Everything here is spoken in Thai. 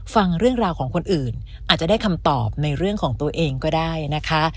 ฟังเรื่องราวของคนอื่นอาจจะได้คำตอบในเรื่องของตัวเองก็ได้นะคะ